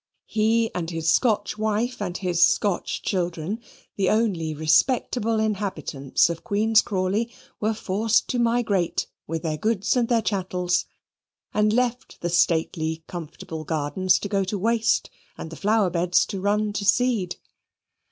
He and his Scotch wife and his Scotch children, the only respectable inhabitants of Queen's Crawley, were forced to migrate, with their goods and their chattels, and left the stately comfortable gardens to go to waste, and the flower beds to run to seed.